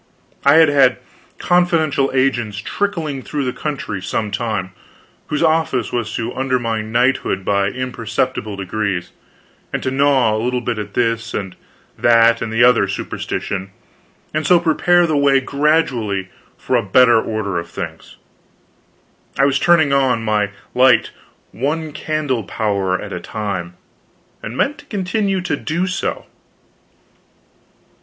I had had confidential agents trickling through the country some time, whose office was to undermine knighthood by imperceptible degrees, and to gnaw a little at this and that and the other superstition, and so prepare the way gradually for a better order of things. I was turning on my light one candle power at a time, and meant to continue to do so.